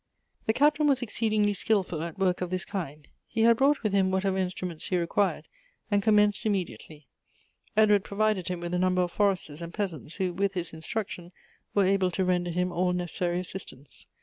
The Captain was exceedingly skilful at work of this kind. He had brought with him whatever instruments Elective Affinities. 25 he required, and commenced immediately. Edward pro vided him with a number of forestei s and peasants, who, with his instruction, were able to render him all necessary assistance.